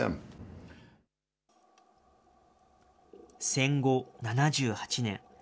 戦後７８年。